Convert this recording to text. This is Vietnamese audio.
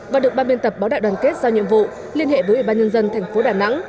và được ba biên tập báo đại đoàn kết giao nhiệm vụ liên hệ với ủy ban nhân dân tp đà nẵng